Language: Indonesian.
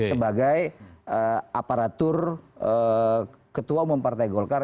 sebagai aparatur ketua umum partai golkar